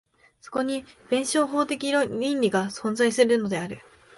そこに弁証法的論理があるのである。